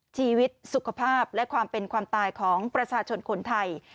ชีวิตสุขภาพและความเป็นความตายของประชาชนคนไทย